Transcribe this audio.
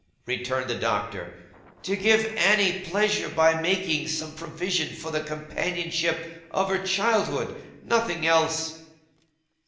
returned the Doctor. 'To give Annie pleasure, by making some provision for the companion of her childhood. Nothing else.